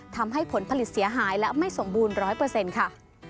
ทำให้ผลผลิตเสียหายและไม่สมบูรณ์๑๐๐ค่ะ